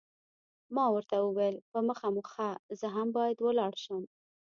ما ورته وویل، په مخه مو ښه، زه هم باید ولاړ شم.